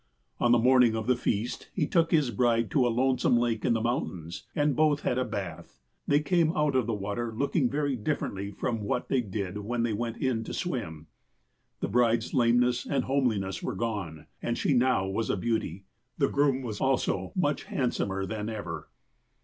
'' On the morning of the feast, he took his bride to a lonesome lake in the mountains, and both had a bath. They came out of the water looking very differently from what they did when they went in to swim. " The bride's lameness and homeliness were gone, and she was now a beauty. The groom was also much hand somer than ever.